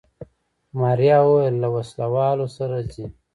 ماريا وويل له وسله والو سره ځي.